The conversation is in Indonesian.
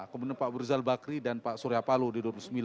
kemudian pak berizal bakri dan pak suryapalo di dua ribu sembilan